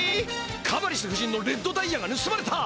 カバリス夫人のレッドダイヤがぬすまれた！